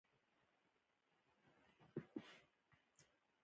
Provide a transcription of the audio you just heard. پاچا تعليمي مرکزونه مهم ووبلل.